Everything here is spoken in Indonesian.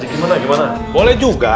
gimana gimana boleh juga